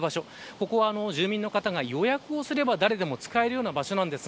ここは住民の方が予約をすれば誰でも使える場所です。